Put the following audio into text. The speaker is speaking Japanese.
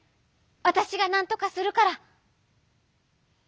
わたしがなんとかするから」。